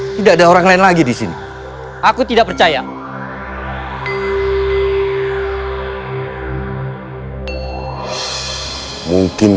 tidak ada orang lain lagi di sini